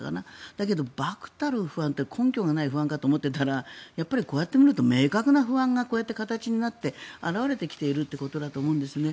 だけど、ばくたる不安って根拠がない不安かと思ったらこうやって明確な不安がこうやって形になって表れてきてるってことだと思うんですね。